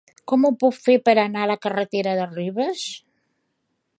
Com ho puc fer per anar a la carretera de Ribes?